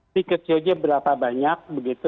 tiketnya berapa banyak